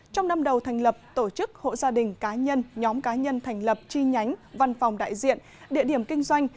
trong năm đầu thành lập tổ chức hộ gia đình cá nhân nhóm cá nhân thành lập chi nhánh văn phòng đại diện địa điểm kinh doanh